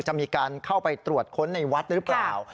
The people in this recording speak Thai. จะมีการเข้าไปตรวจค้นในวัดหรือเปล่า